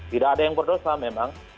tidak ada yang berdosa memang